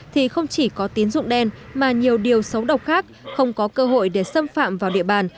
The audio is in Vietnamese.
thì không chỉ có tín dụng đen mà nhiều điều xấu độc khác không có cơ hội để xâm phạm vào địa bàn